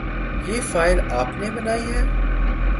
یہ فائل آپ نے بنائی ہے ؟